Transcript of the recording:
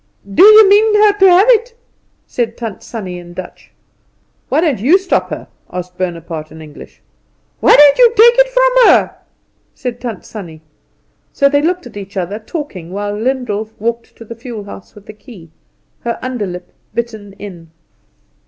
"Do you mean her to have it?" said Tant Sannie in Dutch. "Why don't you stop her?" asked Bonaparte in English. "Why don't you take it from her?" said Tant Sannie. So they looked at each other, talking, while Lyndall walked to the fuel house with the key, her underlip bitten in.